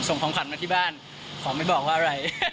ของขวัญมาที่บ้านขอไม่บอกว่าอะไร